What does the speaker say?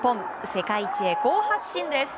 世界一へ好発進です！